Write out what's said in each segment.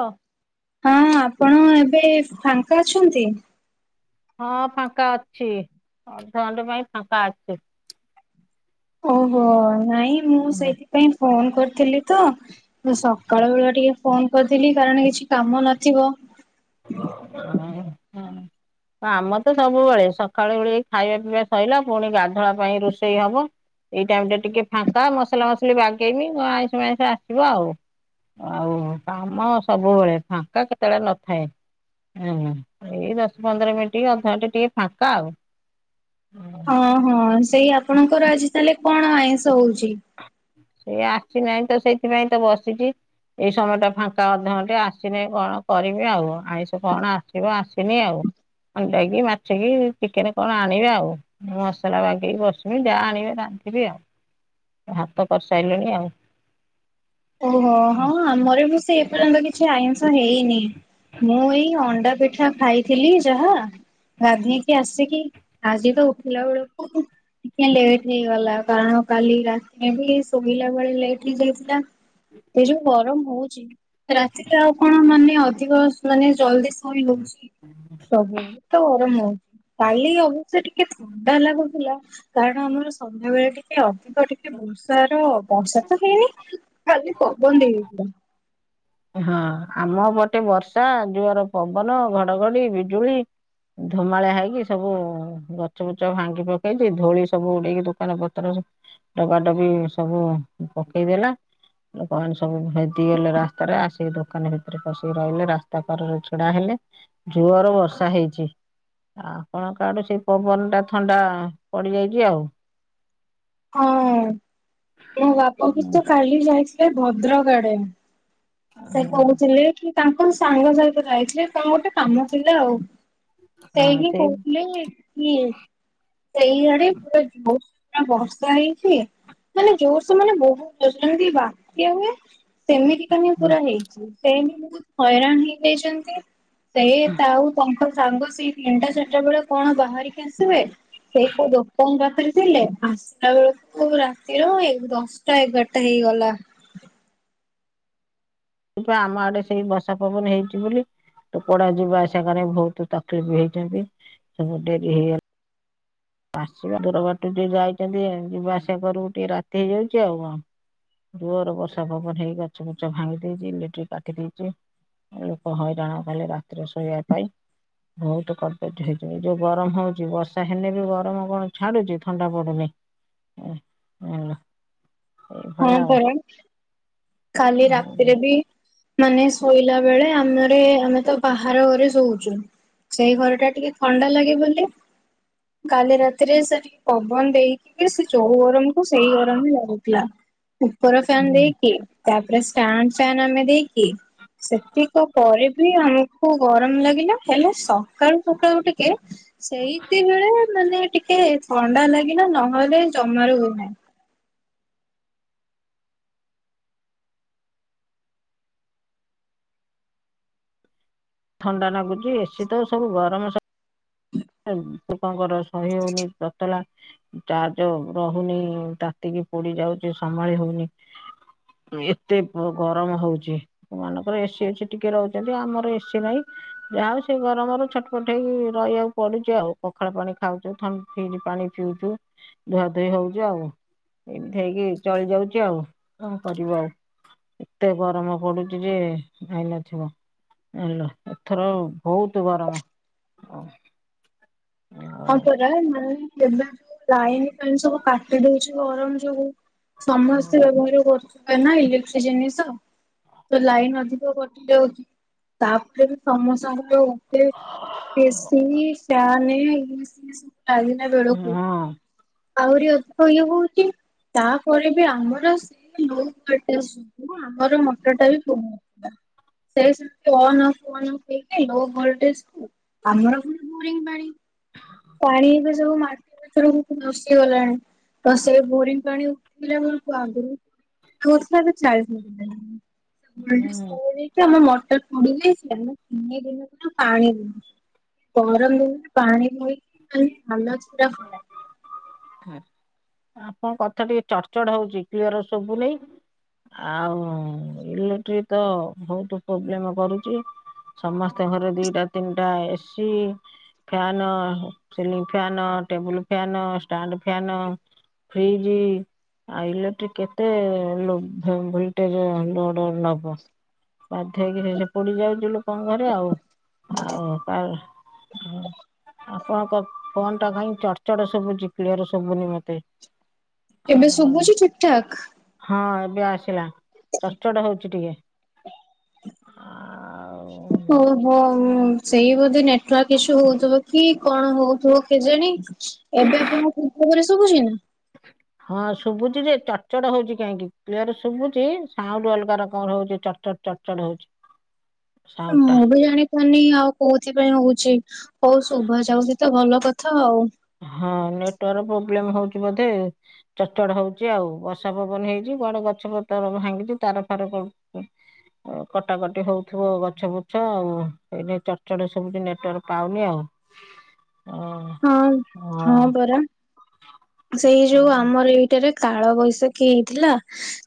ହଁ। ହଁ ଆପଣ ଏବେ ଫାଙ୍କା ଅଛନ୍ତି? ହଁ ଫାଙ୍କା ଅଛି ଅଧଘଣ୍ଟେ ପାଇଁ ଫାଙ୍କା ଅଛି। ଓହୋ ନାଇଁ ମୁଁ ହୁଁ, ସେଇଥିପାଇଁ ଫୋନ କରିଥିଲି ତ ମୁଁ ସକାଳ ବେନୁଆ ଟିକେ ଫୋନ କରିଥିଲି କାରଣ କିଛି କାମନଥିବ ହୁଁ। ଆମ ତ ସବୁବେଳେ ସକାଳୁ ଉଳି ଖାଇବା ପିଇବା ସଇଲା ପୁଣି ଗାଧୁଆ ପାଇଁ ରୋଷେଇ ହବ। ଏଇ ଟାଇମ ଟା ଟିକେ ଫାଙ୍କା ମସଲା ମସଲି ବାଗେଇମି ଆଇଁଷ ମାଇଁଷ ଆସିବ ଆଉ। ଆଉ କାମ ସବୁବେଳେ ଫାଙ୍କା କେତେବେଳେ ନଥାଏ। ହୁଁ ଏଇ ଦଶ ପନ୍ଦର ମିନିଟ୍ ଅଧଘଣ୍ଟେ ଟିକେ ଫାଙ୍କା ଆଉ। ହଁ ହଁ ସେଇ ଆପଣଙ୍କର ଆଜି ତାହେଲେ କଣ ଆଇଁଷ ହଉଛି? ସେଏ ଆସି ନାହିଁ ତ ସେଇଥିପାଇଁ ତ ବସିଛି। ଏଇ ସମୟ ଟା ଫାଙ୍କା ଅଧ ଘଣ୍ଚେ ଆସିନି କଣ କରିବି ଆଉ ଆଇଁଷ କଣ ଆସିବ ଆସିନି ଆଉ। ଅଣ୍ଡାକି ମାଛିକି ଚିକେନ କଣ ଆଣିବେ ଆଉ। ମସଲା ବାଗେଇକି ବସିମି ଯାହା ଆଣିବେ ରାନ୍ଧିବି ଆଉ। ଭାତ କରିସାଇଲିଣି ଆଉ। ଓହୋ ହଁ ଆମର ମୁ ସେ ଏପର୍ଯ୍ୟନ୍ତ କିଛି ଆଇଁଷ ହେଇନି ମୁଁ ଏଇ ଅଣ୍ଡା ପିଠା ଖାଇଥିଲି ଯାହା ଗାଧେଇକି ଆସିକି ଆଜି ତ ଉଠିଲା ବେଳକୁ ଟିକେ ଲେଟ୍ ହେଇଗଲା କାରଣ କାଲି ରାତିରେ ଶୋଇଲା ବେଳେ ଲେଟ୍ ହେଇଯାଇଥିଲା। ଏ ଯୋଉ ଗରମ ହଉଛି ରାତିରେ ଆଉ କଣ ମାନେ ଅଧିକ ମାନେ ଜଲଦି ସୋଇ ହଉଛି ପ୍ରଭୁ ତ ହଁ କାଲି ହଉଚି ଟିକେ ଥ ଥଣ୍ଡା ଲାଗୁ ଥିଲା। କାରଣ ସନ୍ଧ୍ୟାବେଳେ ଟିକେ ଅଧିକ ଟିକେ ବର୍ଷାର ବର୍ଷା ତ ହେଇନି। ଖାଲି ପବନ ହେଇଯାଇଥିଲା। ହଁ ଆମ ପଟେ ବର୍ଷା ଯୋଆର ପବନ ଘଡଘଡି ବିଜୁଳି। ଧୁମାଳିଆ ହେଇକି ସବୁ ଗଛ ବୁଛ ଭାଙ୍ଗି ପକେଇଛି ଧୋଳି ସବୁ ଉଡେଇକି ଦୋକାନ ପତ୍ର ସ ଡବାଡବି ସବୁ ପକେଇଦେଲା। ଲୋକମାନେ ସବୁ ହେଟି ଟିଏଲ୍ ରାସ୍ତାରେ ଆସି ଦୋ ଦୋକାନ ଭିତରେ ପଶିକି ରହିଲେ ରାସ୍ତା କରରେ ଛିଡା ହେଲେ ଯୋଅର ବର୍ଷା ହେଇଛି। ଆପଣଙ୍କ ଆଡେ ସେଇ ପବନ ଟା ଥଣ୍ଡା ପଡିଯାଇଛି ଆଉ। ହଁ ମୋ ବାପ କ ତ କାଲି ଯାଇଥିଲେ ଭଦ୍ରକ ଆଡେ। ହଁ ସେ କହୁଥିଲେ କି ତାଙ୍କ ସାଙ୍ଗ ସହିତ ଯାଇଥିଲେ। ତାଙ୍କ ଗୋଟେ କାମ ଥିଲା ଆଉ ସେଇ ହିଁ ସେଇ କହୁଥିଲେ କିଏ ସେଇଆଡେ ପୁରା ବହୁତୁ ସାରା ବର୍ଷା ହେଇ କିଏ ମାନେ ଜୋର ସେ ମାନେ ବହୁତ୍ ଯୋର୍ ସୋରେ ବାତ୍ୟା ହୁଏ। ସେମିତି କାଲି ପୁରା ହେଇଛି ସେ ବି ବହୁତ ହଇରାଣ ହେଇଯାଇଚନ୍ତି। ସେଏ ତାଉ ତାଙ୍କ ସାଙ୍ଗ ସେଇ ତିନିଟା ଚାରିଟା ବେଳେ କଣ ବାହାରିକି ଆସିବେ। ସେଇ କୋଉ ଦୋକଙ୍କ ଯାତରେ ଥିଲେ ଆସିଲା ବେଳକୁ ରାତିର ଏ ଦଶଟା ଏଗାରଟା ହେଇଗଲା। ସେଇ ପା ଆମ ଆଡେ ସେଇ ବର୍ଷା ପବନ ହେଇଛି ବୋଲି ତ ପଡା ଯିବା ଆସାବା କରେ ବହୁତୁ ତକଲିପି ହେଇଚନ୍ତି ସବୁ ଡେରି ହେଇଗଲା। ଆସିବା ଦୂର ବାଟୁ ଯେ ଯାଇଚନ୍ତି ଯିବା ଆସିବା କରିବୁ ଟିକେ ରାତି ହେଇଯାଉଛି ଆଉ କଣ। ଯୋଅର ବର୍ଷା ପବନ ହେଇ ଗଛ ଗୁଛ ଭାଙ୍ଗି ଦେଇଚି ଇଲେଟ୍ରି କାଟି ଦେଇଛି। ଲୋକ ହଇରାଣ କାଲି ରାତିରେ ଶୋଇବା ପାଇଁ। ବହୁତ [unintelligible] ଯୋଉ ଗରମ ହଉଛି ବର୍ଷା ହେଲେ ବି ଗ ଗରମ କଣ ଛାଡୁଛି ଥଣ୍ଡା ପଡୁନି ଏଁ ଏଁ [unintelligible] ହଁ ପରା କାଲି ରାତିରେ ବି ମାନେ ଶୋଇଲା ବେଳେ [inaudible] ଆମରେ ଆମେ ତ ବାହାର ଘରେ ଶୋଉଛୁ। ସେଇ ଘରଟା ଟିକେ ଥଣ୍ଡା ଲାଗେ ବୋଲି କାଲି ରାତିରେ ସେ ଟିକ ପବନ ଦେଇ [unintelligible] ସେ ଯୋଉ ଗରମକୁୁ ସେଇ ଗରମ ହିଁ ଲାଗୁଥିଲା। ଉପର ଫ୍ୟାନ ଦେଇକି ତାପରେ ଷ୍ଟାଣ୍ଡ ଫ୍ୟାନ ଆମେ ଦେଇକି ସେତିକ ପରେ ବି ଆମକୁ ଗରମ ଲାଗିଲା ହେଲେ ସକାଳୁ ସକାଳୁ ଟିକେ ସେଇତି ବେଳେ ମାନେ ଟିକେ ଥଣ୍ଡା ଲାଗେ ନା, ନହେଲେ ଜମାରୁ ହୁଏ ନାହିଁ‌। ଥଣ୍ଡା ଲାଗୁଚି ଏସିି ତ ସବୁ ଗରମ ସବ୍ ହୁଁ ଲୋକଙ୍କର ସହି ହଉନି ତତଲା। ଚାର୍ଜ ରହୁନି ତାତିକି ପୋଡି ଯାଉଛି ସମ୍ଭାଳି ହଉନି। ଏତେ ଗରମ ହଉଛି। ଯୋଉ ମାନଙ୍କର ଏସିି ଅଛି ଟିକେ ରହୁଛନ୍ତି ଆମର ଏସି ନାହିଁ। ଯା ହଉ ସେ ଗରମରେ ଛଟପଟ ହେଇ ରଇବାକୁ ପଡୁଚୁ ଆଉ, ପଖାଳ ପାଣି ଖାଉଛୁ, ଥନ୍ ଫ୍ରିଜ୍ ପାଣି ପିଉଛୁ, ଧୁଆଧୋଇ ହଉଚୁ ଆଉ। ଏମିତି ହେଇକି ଚଳି ଯାଉଚି ଆଉ କଣ କରିବୁ ଆଉ। ଏତେ ଗରମ ପଡୁଚି ଯେ ଭାଇନଥିବ। ହେଲା, ଏଥର ବହୁତ ଗରମ ହଁ। ହୁଁ ହଁ ପରା‌ [unintelligible] ଲାଇନ ଫାଇନ୍ ସବୁ କାଟି ଦଉଛି ଗରମ ଯୋଗୁ। ସମସ୍ତେ ହଁ ବ୍ୟବହାର କରୁଛନ୍ତି ନା ଇଲେକ୍ଟ୍ରି ଜିନିଷ। ତ ଲାଇନ ଅଧିକ କଟିଯାଉଛି। ତାପରେ ସମସ୍ତଙ୍କ ଘରେ [unintelligible] ଏସି ଫ୍ୟାନେ ଲାଗିଲା ବେଳକୁ ଆହୁରି ଅଧିକ ଇଏ ହୋଉଛି। ତାପରେ ବି ଆମର ସେ [inaudible] ଆମର ମଟରଟା ବି [inaudible] ଥିଲା। ସେ [unintelligible] ଲୋ ଭୋଲଟେଜକୁ ଆମର ଫୁଣି ବୋରିଙ୍ଗ ପାଣି। ପାଣି ଏତେ ସମୟ ମାର୍ [inaudible] ଧସିଗଲାଣି ତ ସେ ବୋରିଙ୍ଗ ପାଣି ଉଠିଲା ବେଳକୁ ଆଗରୁ [unintelligible] [inaudible] ଆମ ମଟର ପୋଡ଼ିଯାଇଛି ଆମର ତିନି ଦିନ ପ ପାଣି, ଗରମ ଦିନରେ ପାଣି ବୋହିକି ଖାଲି ହାଲତ ପୁରା ଖରାପ। ହୁଁ, ଆପଣଙ୍କ କଥା ଟିକେ ଚଡଚଡ୍ ହଉଛି କ୍ଲିୟର ଶୁଭୁ ନେଇ ଆଉ ଇଲେକ୍ଟ୍ରି ତ ବହୁତ ପ୍ରୋବ୍ଲେମ୍ କରୁଚି। ସମସ୍ତେଙ୍କ ଘରେ ଦିଟା ତିନିଟା AC fan, ceiling fan, table fan, stand fan ଫ୍ରିଜି ଆ ଇଲେକ୍ଟ୍ରିକ କେତେ-ଏ-ଏ ଲୋ ମୋ ଭୋଲଟେଜ ଲୋଡ୍ ନବ। ବାଧ୍ୟ ହେଇକି ସେଇ ସେ ପୋଡି ଯାଉଛି ଲୋକଙ୍କ ଘରେ ଆଉ ଆଉ ପା ହଁ ଆପଣଙ୍କ ଫୋନ୍ ଟା କାଇଁ ଚଡଚଡ ଶୁଭୁଛି? କ୍ଲିୟର ଶୁଭୁନି ମତେ। ଏବେ ଶୁଭୁଛି ଠିକଠାକ୍? ହଁ ଏବେ ଆସିଲା। ଚଡଚଡ୍ ହଉଚି ଟିକେ। ଆଉ ଓହୋ ସେଇ ବୋଧେ ନେଟୱାର୍କ୍ ଇସୁ ହୋଉଥିବ କି କଣ ହୋଉଥିବ କେଜାଣି। ଏବେ ଆପଣଙ୍କ [unintelligible] ଶୁବୁଚି ନା? ହଁ ଶୁବୁଚି ଯେ ଚଡ୍ ଚଡ୍ ହଉଚି କାହିଁକି କ୍ଲିୟର୍ ଶୁବୁଚି ସାଉଣ୍ଡ୍ ଅଲଗା ରକମର ହଉଚି ଚଡ୍ ଚଡ୍ ଚଡ୍ ଚଡ୍ ହଉଚି। ମୁଁ ବି ଜାଣିି ନି ଆଉ କଉଥିପାଇଁ ହଉଚି ହଉ ଶୁଭା ଯାଉଚି ତ ଭଲ କଥା ଆଉ। ହଁ ନେଟୱାର୍କ୍ ପ୍ରୋବ୍ଲେମ୍ ହଉଚି ବୋଧେ। ଚଡ୍ ଚଡ୍ ହଉଚି ଆଉ ବର୍ଷା ପବନ ହେଇଚି ବଡ ଗଛ ପତ୍ର ଭାଙ୍ଗିଚି ତାର ଫାର ଅ- କଟାକଟି ହଉଥିବ ଗଛ ବୁର୍ଛ ଆଉ ହେଇତିପାଇଁ ଚଡ୍ ଚଡ୍ ସୁବୁଚି ନେଟୱାର୍କ୍। ପାଉନି ଆଉ। ହଁ- ହଁ ପରା। ସେଇ ଯଉ ଆମର ଏଇଟା ରେ କାଳ ବୈଶାଖୀ ହେଇଥିଲା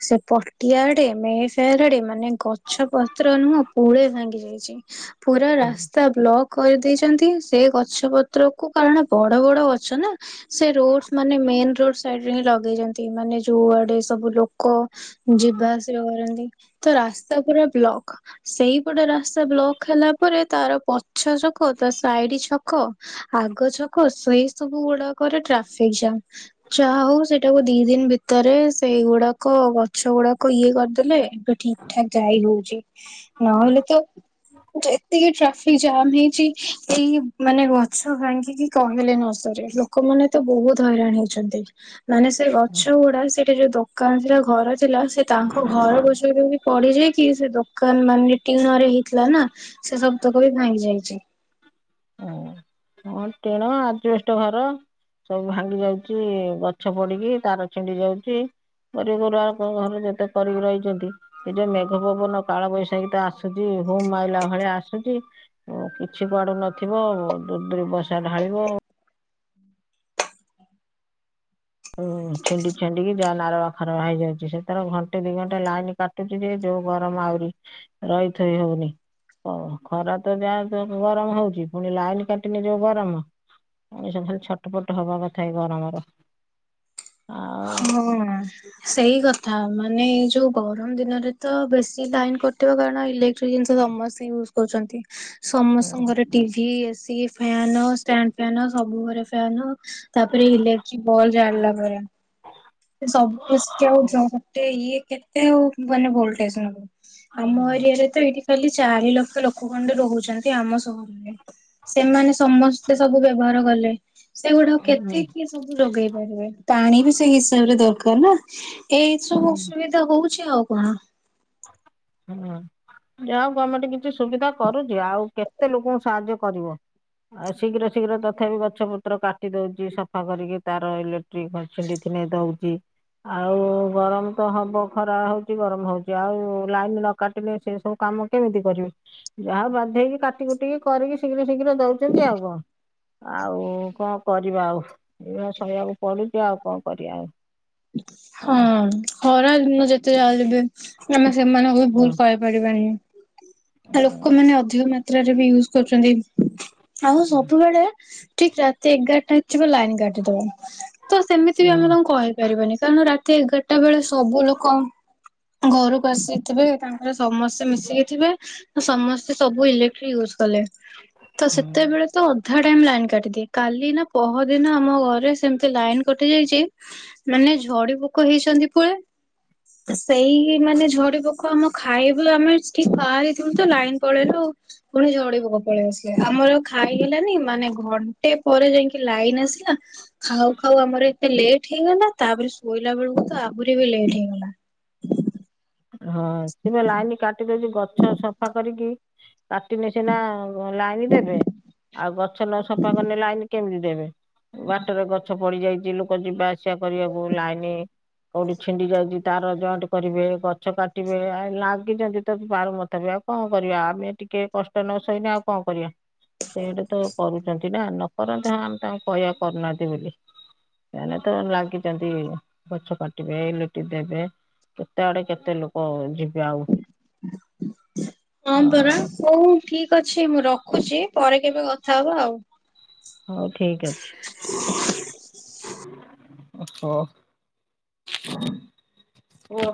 ସେ ପଟିଆ ଆଡେ ମେସ୍ [unintelligible] ମାନେ ଗଛ ପତ୍ର ନୁହଁ ପୁଳେ ଭାଙ୍ଗି ଯାଇଚି ପୁରା ହଁ। ରାସ୍ତା ବ୍ଲକ୍ କରିଦେଇଚ୍ ନ୍ତି ସେ ଗଛ ପତ୍ର କୁ କାରଣ ବଡ ବଡ ଗଛ ନା ସେ ରୋଡ୍ସ ମାନେ ମେନ୍ ରୋଡ୍ ସାଇଡ୍ ରେ ହିଁ ଲଗେଇଚନ୍ତି ମାନେ ଯଉ ଆଡେ ସବୁ ଲୋକ ଯିବା ଆସିବା କରନ୍ତି ତ ରାସ୍ତା ପୁରା ବ୍ଲକ୍ ସେଇପଟେ ରାସ୍ତା ବ୍ଲକ୍ କ୍ ହେଲା ପରେ ତାର ପଛ ଛକ ତା ସାଇଡ୍ ଛକ ଆଗ ଛକ ସୋ ଏସବୁ ଗୁଡାକରେ ଟ୍ରାଫିକ୍ ଜାମ୍। ଯାହା ହଉ ସେଇଟାକୁ ଦି ଦିନ୍ ଭିତରେ ସେଇଗୁଡାକ ଗଛ ଗୁଡାକ ଇଏ କରିଦେଲେ ଠିକ୍ ଠାକ୍ ଯାଇ ହଉଚି ନହେଲେ ତ ଯେତିକି ଟ୍ରାଫିକ୍ ହେଇ ଜାମ୍ ହେଇଚି ଏଇ ମାନେ ଗଛ ଭାଙ୍ଗିକି କହିଲେ ନ ସରେ ଲୋକମାନେ ତ ବହୁତ୍ ହଇରାଣ ହେଉଛନ୍ତି ମାନେ ସେ ଗଛ ଗୁଡା ସେଇଟେ ଯଉ ଦୋକାନ ଥିଲା ଘର ଥିଲା ସେ ତାଙ୍କ ଘର [unintelligible] ବି ପଡିଯାଇ କି ସେ ଦୋକ୍ ଦୋକାନ୍ ମାନେ ଟିଣରେ ହେଇଥିଲା ନା ସେ ସବୁତକ ବି ଭାଙ୍ଗି ଯାଇଚି। ହଁ -କଣ ଟିଣ ଆଜିବେଷ୍ଟ୍ ଘର ସବୁ ଭାଙ୍ଗି ଯାଉଚି ଗଛ ପଡିକି ତାର ଛିଣ୍ଡି ଯାଉଚି। ଗରିବ ଗୁରା ଘରେ ଯେତେ କରି ରହିଚନ୍ତି ଏଇ ଯଉ ମେଘ ପବନ କାଳ ବୈଶାଖୀ ତ ଆସୁଚି ହୁମ୍ ମାଇଲା ଭଳିଆ ଆସୁଚି କିଛି ପଡୁନ ଥିବ ଦୂର୍ ଦୂର୍ ବର୍ଷା ଢାଳିବ। [unintelligible] ଛିଣ୍ଡି ଛିଣ୍ଡି କି ଯାହା ନାରବା ଖାର ହେଇଯାଉଚି ସେଥିରେ ଘଣ୍ଟେ ଦି ଘଣ୍ଟେ ଲାଇନି କା ଚୁଟି ଯେ ଯଉ ଗରମ ଆହୁରି ରହିଥୋଇ ହଉନି। ଓ ଖରା ତ ଯାହା ଗରମ ହଉଚି ପୁଣି ଲାଇନି କଟିଲେ ଯଉ ଗରମ। ମଣିଷ ଖାଲ ଛଟପଟ ହବା କଥା ଏଇ ଗରମ ରେ। ହଁ ସେଇ କଥା ମା ନେ ଏଇ ଯଉ ଗରମ୍ ଦିନରେ ତ ବେଶୀ ଲାଇନ୍ କଟିବ କାରଣ ଇଲେକ୍ଟ୍ରି ଜିନିଷ ସମସ୍ତେ ୟୁଜ୍ କରୁଚନ୍ତି। ସମସ୍ତଙ୍କର TV, AC, fan, stand fan, ସବୁ ଘରେ ଫ୍ୟାନ ତାପରେ ଇଲେକ୍ଟ୍ରି ବଲ୍ ଜାଳିଲା ପରେ ସବୁ ମିସ୍କି ଆଉ ଗୋଟେ ଇଏ କେତେ ଆଉ ମାନେ ଭୋଲ୍ଟେଜ୍ ନବ। ଆମ ଏରିଆରେ ତ ଏଇଠି ଖାଲି ଚାରି ଲକ୍ଷ ଲୋକ ଖଣ୍ଡେ ରହୁଚନ୍ତି ଆମ ସହରରେ। ସେମାନେ ସମସ୍ତେ ସବୁ ବ୍ୟବହାର କଲେ ସେଗୁଡା ହୁଁ କେତେ କିଏ ସବୁ ଯୋଗେଇ ପାରିବେ ପାଣି ବି ସେଇ ହିସାବରେ ଦରକାର୍ ନା। ଏଇସବୁ ଅସୁବିଧା ହଉଛି ଆଉ କଣ। ହୁଁ। ଯା ହଉ ଗମେଣ୍ଟ କିଛି ସୁବିଧା କରୁଚି ଆଉ କେତେ ଲୋକଙ୍କୁ ସାହାଯ୍ୟ କରିବ। ଆଉ ଶୀଘ୍ର ଶୀଘ୍ର ତଥାପି ଗଛ ପତ୍ର କାଟି ଦଉଚି ସଫା କରିକି ତାର ଇଲେ [unintelligible] ଆଉ ଗରମ ତ ହବ ଖରା ହଉଚି ଗରମ ହଉଚି ଆଉ ଲାଇନ୍ ନ କାଟିଲେ ସେ ସବୁ କାମ କେମିତି କରିବି ଯାହା ବାଧେଇକି କାଟି କୁଟିକି କରିକି। ଶୀଘ୍ର ଶୀଘ୍ର ଦଉଚନ୍ତି ଆଉ କଣ ଆଉ କଣ କରିବା ଆଉ ଏଇଆ ସଇବାକୁ ପଡୁଚି ଆଉ କଣ କରିଆ ଆଉ। ହଁ ଖରା ଦିନ ଯେତେ ଜାହେଲେ ବି ଆମେ ସେମାନଙ୍କୁ ହୁଁ ଭୁଲ କହି କରିବାଣି। ଲୋକମାନେ ଅଧିକ ମାତ୍ରରେ ବି ୟୁଜ୍ କରୁଛନ୍ତି ଆଉ ସବୁବେଳେ। ଠିକ୍ ରାତି ଏଗାରଟା ହେଇଥିବ ଲାଇନ କାଟିିଦବ ତ ସେମିତି ବି ହୁଁ ଆମେ ତାଙ୍କୁ କହି ପାରିବନି କାରଣ ରାତି ଏଗାରଟା ବେଳେ ସବୁ ଲୋକ ଘରକୁ ଆସି। ତବେ ତାଙ୍କର ସମସ୍ତେ ମିଶିକି ଥିବେ ସମସ୍ତେ ସବୁ ଇଲେକ୍ଟ୍ରି ୟୁଜ୍ କଲେ। ତ ହୁଁ ସେତେବେଳେ ତ ଅଧା ଟାଇମ୍ ଲାଇନ କାଟିଦିଏ କାଲି ନା ପହଦିନ ଆମ ଘରେ ସେମିତି ଲାଇନ୍। କଟିଯାଇଛି। [inaudible] ମାନେ ଝଡି ପୋକ ହେଇଛନ୍ତି ପୁଳେ। ସେଇ ମାନେ ଝଡି ପୋକ ଆମ ଖାଇବା ଆମେ ଠିକ୍ ଭାରି ଲାଇନ୍ ପଳେଇଲୁ ପୁଣି ଝଡିପୋକ ପଳେଇ ଆସିଲେ ଆମର ଖାଇ ହେଲାନି ମାନେ ଘ ଟେ ପରେ ଯାଇକି ଲାଇନି ଆସିଲା ଖାଉ ଖାଉ ଆମର ଏତେ ଲେଟ୍ ହେଇଗଲା ତାପରେ ସୁ କୋଇଲା ବେଳକୁ ତ ଆହୁରି ବି ଲେଟ୍ ହେଇଗଲା। ହଁ ସେ ବା ଲାଇନି କାଟିଦଉଚି ଗଛ ସଫା କରିକି। କାଟିିଲେ ସିନା ଲାଇନି ଦେବେ। ଆଉ ଗଛ ନ ସଫା କଲେ ଲାଇନି କେମିତି ଦେବେ ବାଟରେ ଗଛ ପଡି ଯାଇଚି ଲୋକ ଯିବା ଆ ସେଆ କରିବାକୁ ଲାଇନି କୋଉଠି ଛିଣ୍ଡି ଯାଇଛି ତାର ଜଏଣ୍ଟ କରିବେ ଗ ଗଛ କାଟିବେ ଆ ଲାଗିଚନ୍ତି ତ [unintelligible] ଆଉ କଣ କରିବା ଆମେ ଟିକିଏ କଷ୍ଟ ନ ସଇନେ ଆଉ କଣ କରିବା। ସେଇଟି ତ କରୁଚନ୍ତି ନା ନ କରନ୍ତି ହଁ ଆମେ ତାଙ୍କୁ କହିବା କରୁନାହାନ୍ତି ବୋଲି। ସେମାନେ ତ ଲାଗିଚନ୍ତି ଗଛ କାଟିବେ ଇଲେକ୍ଟ୍ରି ଦେବେ କେତେ ଆଡେ କେ ତେ ଲୋକ ଯିବେ ଆଉ। ହ ହଁ ପରା କୋଉ ଠିକ୍ ଅଛି ମୁଁ ରଖୁଛି ପରେ କେବେ କଥା ହବା ଆଉ। ହଉ ଠିକ୍ ଅଛି ଓ ହୋ। [unintelligible]